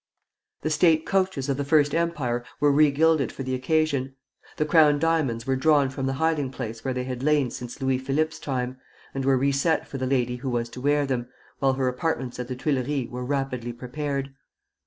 The State coaches of the First Empire were regilded for the occasion, the crown diamonds were drawn from the hiding place where they had lain since Louis Philippe's time, and were reset for the lady who was to wear them, while her apartments at the Tuileries were rapidly prepared.